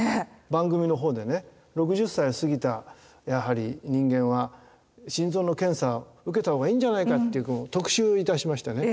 番組のほうでね６０歳を過ぎたやはり人間は心臓の検査受けたほうがいいんじゃないかっていう特集いたしましてね。